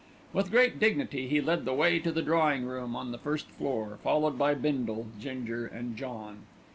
With great dignity he led the way to the drawing room on the first floor, followed by Bindle, Ginger and John.